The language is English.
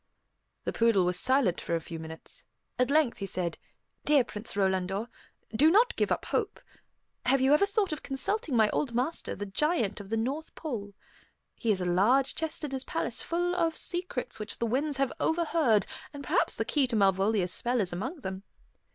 The poodle was silent for a few minutes. At length he said, "Dear Prince Rolandor, do not give up hope. Have you ever thought of consulting my old master, the Giant of the North Pole? He has a large chest in his palace full of secrets which the winds have overheard, and perhaps the key to Malvolia's spell is among them.